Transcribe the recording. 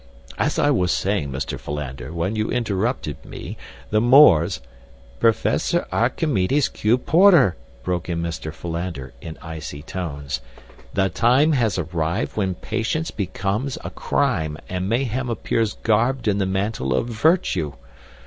As I was saying, Mr. Philander, when you interrupted me, the Moors—" "Professor Archimedes Q. Porter," broke in Mr. Philander, in icy tones, "the time has arrived when patience becomes a crime and mayhem appears garbed in the mantle of virtue.